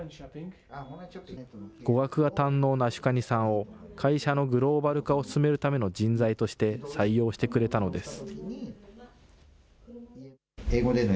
語学が堪能なアシュカニさんを、会社のグローバル化を進めるための人材として採用してくれたのです。